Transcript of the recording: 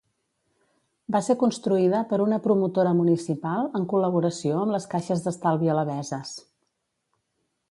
Va ser construïda per una promotora municipal en col·laboració amb les caixes d'estalvi alabeses.